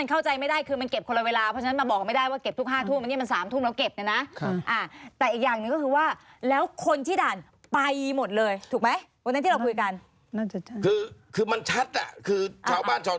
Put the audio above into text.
คือเคลียร์ปัญญาดักฐาน